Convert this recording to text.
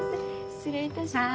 失礼いたします。